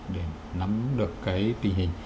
để nắm được cái tình hình